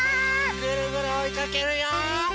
ぐるぐるおいかけるよ！